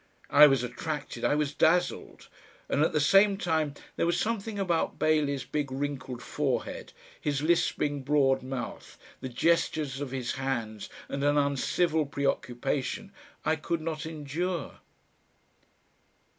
I was attracted, I was dazzled and at the same time there was something about Bailey's big wrinkled forehead, his lisping broad mouth, the gestures of his hands and an uncivil preoccupation I could not endure....